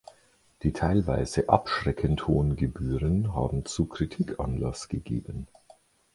Die teilweise abschreckend hohen Gebühren haben zu Kritik Anlass gegeben.